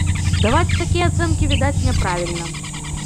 Даваць такія ацэнкі, відаць, няправільна.